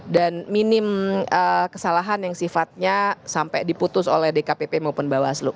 dan minim kesalahan yang sifatnya sampai diputus oleh dkpp maupun bawaslu